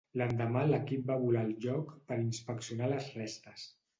L'endemà l'equip va volar al lloc per inspeccionar les restes.